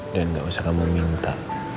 dan gak usah kamu minta